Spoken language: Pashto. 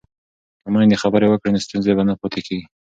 که میندې خبرې وکړي نو ستونزه به نه پاتې کېږي.